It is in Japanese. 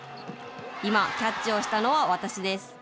今、キャッチをしたのは私です。